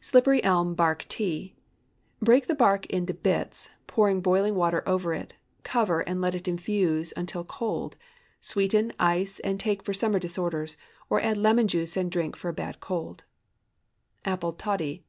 SLIPPERY ELM BARK TEA. Break the bark into bits, pour boiling water over it, cover and let it infuse until cold. Sweeten, ice, and take for summer disorders, or add lemon juice and drink for a bad cold. APPLE TODDY.